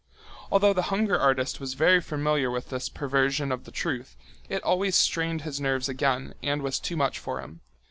Although the hunger artist was very familiar with this perversion of the truth, it always strained his nerves again and was too much for him.